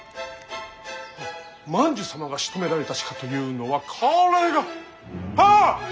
万寿様がしとめられた鹿というのはこれがはあっ！